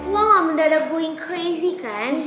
lo gak mendadak going crazy kan